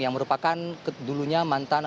yang merupakan dulunya mantan